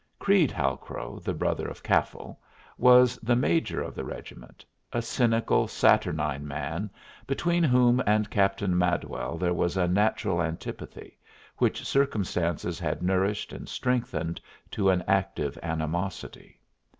Creede Halcrow, the brother of Caffal, was the major of the regiment a cynical, saturnine man, between whom and Captain Madwell there was a natural antipathy which circumstances had nourished and strengthened to an active animosity.